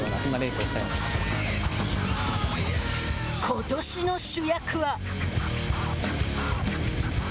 ことしの主役は！？